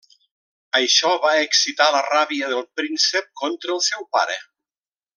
Això va excitar la ràbia del príncep contra el seu pare.